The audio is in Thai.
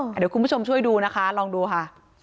เดี๋ยวคุณผู้ชมช่วยดูนะคะลองดูค่ะ